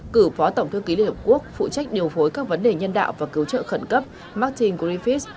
cử phó tổng thư ký liên hợp quốc phụ trách điều phối các vấn đề nhân đạo và cứu trợ khẩn cấp martin griffis